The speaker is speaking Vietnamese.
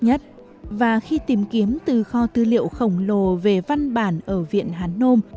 nhất và khi tìm kiếm từ kho tư liệu khổng lồ về văn bản ở viện hàn nôm và khi tìm kiếm từ kho tư liệu khổng lồ về văn bản ở viện hàn nôm